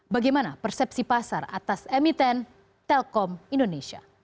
bagaimana persepsi pasar atas emiten telkom indonesia